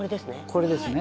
これですね